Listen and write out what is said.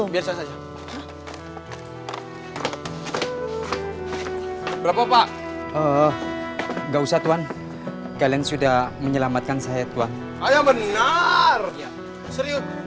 berapa pak enggak usah tuan kalian sudah menyelamatkan saya tuan ayo benar serius